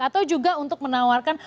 atau juga untuk menawarkan